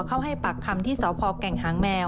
เขาให้ปากคำที่สวมเรียน